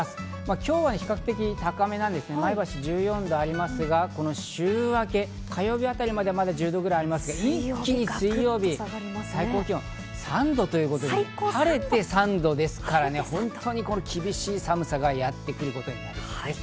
今日は比較的、高めですが前橋１４度ありますが、この週明け火曜日辺りまで１０度ぐらいありますが、一気に水曜日、最高気温３度、晴れて３度ですから厳しい寒さがやってくるということになります。